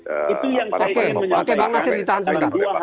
oke bang nasir ditahan sebentar